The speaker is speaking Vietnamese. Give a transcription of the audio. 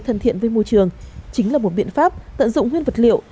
thân thiện với môi trường chính là một biện pháp tận dụng nguyên vật liệu